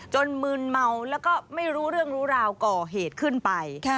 มืนเมาแล้วก็ไม่รู้เรื่องรู้ราวก่อเหตุขึ้นไป